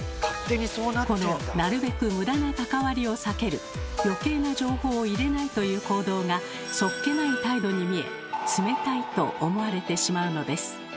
この「なるべくムダな関わりを避ける」「よけいな情報を入れない」という行動がそっけない態度に見え「冷たい」と思われてしまうのです。